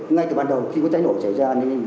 ngay từ ban đầu khi có cháy nổ xảy ra